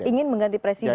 ingin mengganti presiden